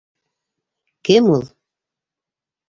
Кем ул?